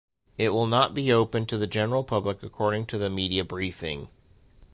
It will not be open to the general public according to the media briefing.